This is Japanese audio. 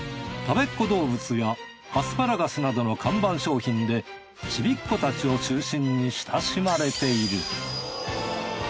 たべっ子どうぶつやアスパラガスなどの看板商品でちびっ子たちを中心に親しまれている。